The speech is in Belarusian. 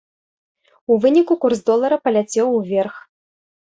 У выніку курс долара паляцеў уверх.